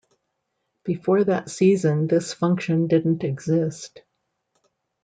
Before that season this function didn't exist.